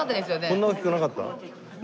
こんな大きくなかった？